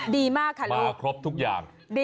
ดีมากค่ะมาครบทุกอย่าง